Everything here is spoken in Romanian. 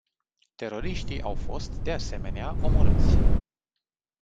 Teroriștii au fost, de asemenea, omorâți.